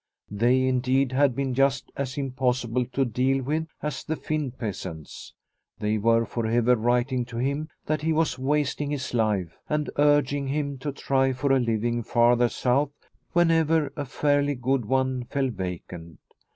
They, in deed, had been just as impossible to deal with as the Finn peasants. They were for ever writing to him that he was wasting his life, and urging him to try for a living farther south whenever a fairly good one fell vacant.